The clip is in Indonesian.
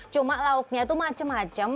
cuma lauknya itu macam macam